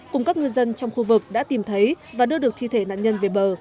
cùng các ngư dân trong khu vực đã tìm thấy và đưa được thi thể nạn nhân về bờ